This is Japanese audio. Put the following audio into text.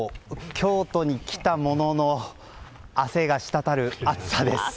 京都に来たものの汗がしたたる暑さです。